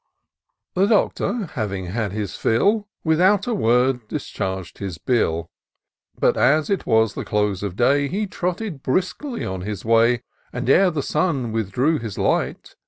The Doctor having had his fill. Without a word discharged his bill; But, as it was the close of day. He trotted briskly on his way ; And ere the sun withdrew his light.